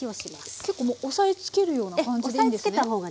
結構もう押さえつけるような感じでいいんですね？